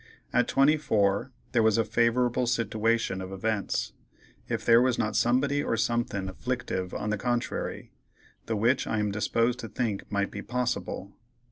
At 24 there was a favorable sitiwation of events, if there was not somebody or somethin' afflictive on the contrary, the which I am disposed to think might be possible.